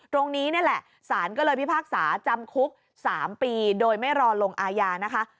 ตรงนี้นี่แหละสารก็เลยพิพากษาจำคุก๓ปีโดยไม่รอลงอาญานะคะ